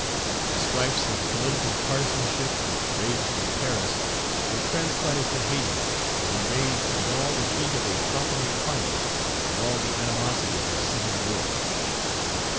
The strifes of political partisanship, which raged in Paris, were transplanted to Hayti, where they raged with all the heat of a tropical climate and all the animosity of a civil war.